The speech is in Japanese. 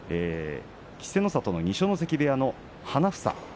稀勢の里の二所ノ関部屋の花房